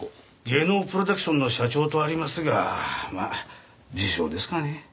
芸能プロダクションの社長とありますがまあ自称ですかね。